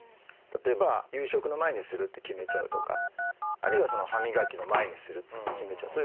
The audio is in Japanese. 例えば夕食の前にするって決めちゃうとかあるいは歯磨きの前にするって決めちゃう。